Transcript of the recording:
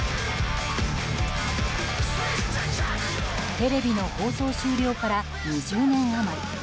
テレビの放送終了から２０年余り。